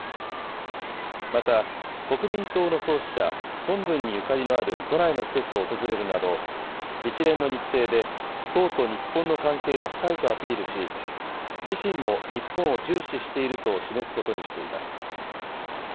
また、国民党の創始者、孫文にゆかりのある都内の施設を訪れるなど、一連の日程で党と日本の関係が深いとアピールし、自身も日本を重視していると示すことにしています。